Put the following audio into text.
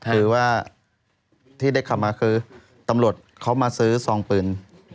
คือว่าที่ได้ขับมาคือตำรวจเขามาซื้อซองปืน